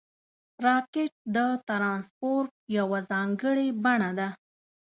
راکټ د ترانسپورټ یوه ځانګړې بڼه ده